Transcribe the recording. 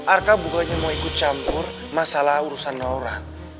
arka bukannya mau ikut campur masalah urusan naura